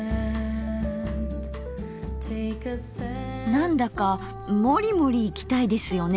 何だかもりもりいきたいですよね